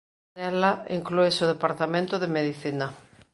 Nela inclúese o Departamento de Medicina.